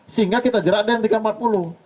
sehingga kita jerat dengan tiga ratus empat puluh